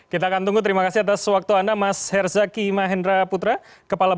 kita akan tunggu terima kasih atas waktu anda mas herzaki mahendra putra